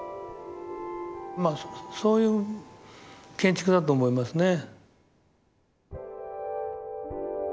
まあそういう建築だと思いますね。